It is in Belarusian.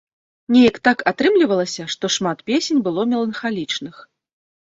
Неяк так атрымлівалася, што шмат песень было меланхалічных.